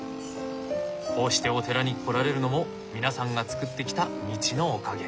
こうしてお寺に来られるのも皆さんが作ってきた道のおかげ。